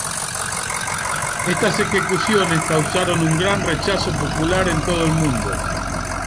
Estas ejecuciones causaron un gran rechazo popular en todo el mundo.